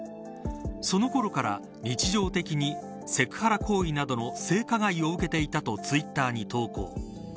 そのころから日常的にセクハラ行為などの性加害を受けていたとツイッターに投稿。